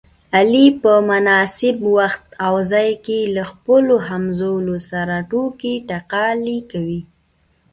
علي په مناسب وخت او ځای کې له خپلو همځولو سره ټوکې ټکالې کوي.